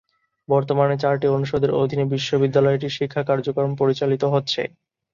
বর্তমানে চারটি অনুষদের অধীনে বিশ্ববিদ্যালয়টির শিক্ষা কার্যক্রম পরিচালিত হচ্ছে।